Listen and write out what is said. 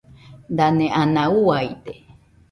Dane ana uaide